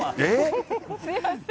すみません。